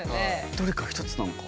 どれか一つなのか？